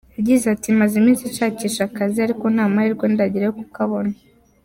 Yagize ati”maze iminsi nshakisha akazi, ariko nta mahirwe ndagira yo kukabona.